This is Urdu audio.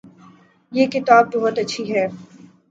یہ کتاب بہت اچھی ہے